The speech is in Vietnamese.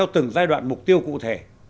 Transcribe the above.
và theo từng giai đoạn mục tiêu cụ thể